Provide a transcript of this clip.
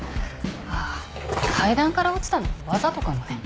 あっ階段から落ちたのもわざとかもね。